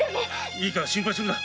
いいから心配するな。